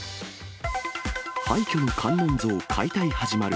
廃虚の観音像、解体始まる。